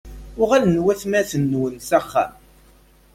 Uɣalen watmaten-nwen s axxam?